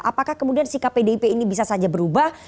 apakah kemudian sikap pdip ini bisa saja berubah